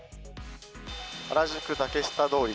原宿竹下通り